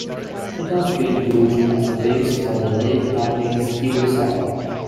It has been used as a base for the Lake Mountain ski resort.